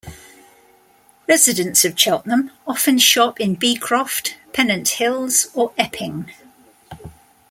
Residents of Cheltenham often shop in Beecroft, Pennant Hills or Epping.